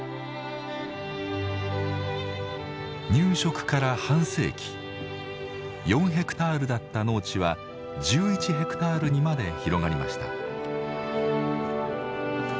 入植から半世紀４ヘクタールだった農地は１１ヘクタールにまで広がりました。